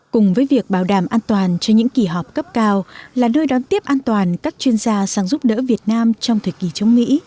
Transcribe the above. cùng với việc bảo đảm an toàn cho những kỳ họp cấp cao là nơi đón tiếp an toàn các chuyên gia sáng giúp đỡ việt nam trong thời kỳ chống mỹ